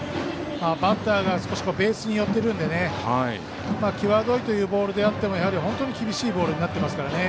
バッターがベースに寄っているので際どいというボールであっても本当に厳しいボールになってますからね。